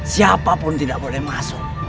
siapapun tidak boleh masuk